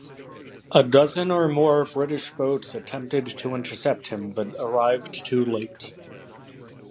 A dozen or more British boats attempted to intercept him but arrived too late.